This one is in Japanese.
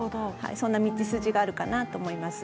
そんな道筋があるかなと思います。